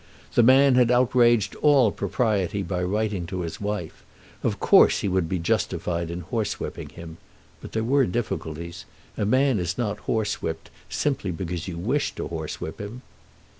The man had outraged all propriety by writing to his wife. Of course he would be justified in horsewhipping him. But there were difficulties. A man is not horsewhipped simply because you wish to horsewhip him.